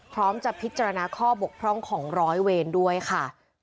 พร้อมจะพิจารณาข้อบกพร่องของร้อยเวรด้วยค่ะ